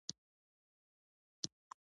د دوی د کیمیاوي تعامل میل هم صفر دی.